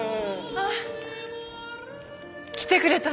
あっ来てくれたのね。